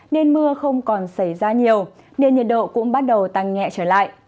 nên mưa không còn xảy ra nhiều nên nhiệt độ cũng bắt đầu tăng nhẹ trở lại